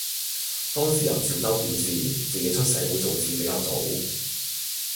當事人小周表示，自己出社會做事比較早。